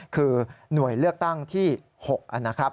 คือหน่วยเลือกตั้งที่๖นะครับ